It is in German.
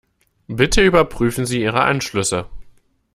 Bitte überprüfen Sie Ihre Anschlüsse.